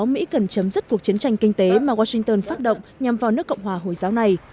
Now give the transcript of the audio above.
mỹ cần chấm dứt cuộc chiến tranh kinh tế mà washington phát động nhằm vào nước cộng hòa hồi giáo này